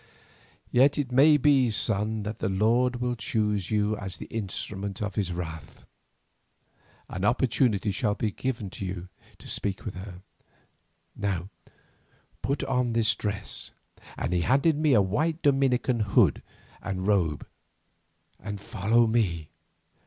Yet it may be, son, that the Lord will choose you as the instrument of his wrath. An opportunity shall be given you to speak with her. Now put on this dress"—and he handed me a white Dominican hood and robe—"and follow me."